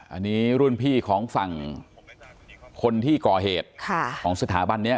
อันนี้รุ่นพี่ของฝั่งคนที่ก่อเหตุของสถาบันนี้